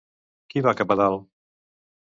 Qui va cap a dalt?